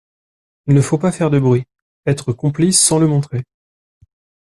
Il ne faut pas faire de bruit, être complice sans le montrer.